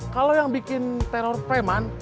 kalau yang bikin teror preman